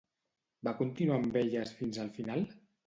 Va continuar amb elles fins al final?